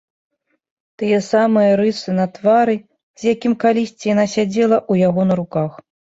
Тыя самыя рысы на твары, з якім калісьці яна сядзела ў яго на руках.